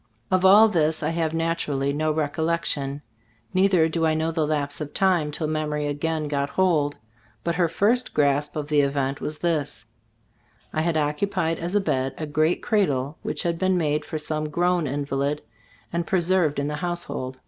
Of all this I have, naturally, no rec ollection — neither do I know the lapse of time till memory again got hold; but her first grasp of the event was this: I had occupied as a bed a great cradle which had been made for some grown invalid, and preserved in the household.